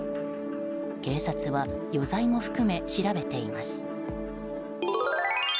警察は余罪も含め調べています。